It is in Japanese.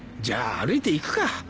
じゃあ歩いていくか。